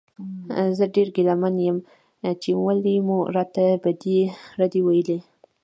زه ډېر ګیله من یم چې ولې مو راته بدې ردې وویلې.